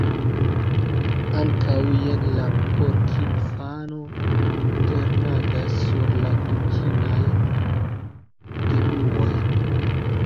Ankaŭ, jen la porkinfano ternadas sur la dukinaj genuoj.